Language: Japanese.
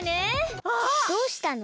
どうしたの？